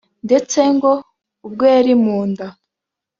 ndetse ngo ubwo yari mu nda